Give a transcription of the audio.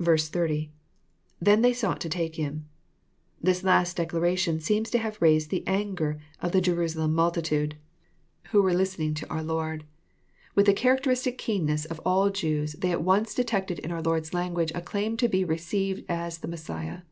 iO. —[ Then they sought to take him,'] This last declaration seems to have raised the anger of the J erusalem multitude, who were lis / JOHN, CHAP. vn. 85 tening to our Lord. With the characteristic keenness of all Jews they at once detected in our Lord's language a claim to be received as the Messiah.